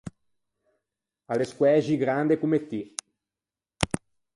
A l’é squæxi grande comme ti.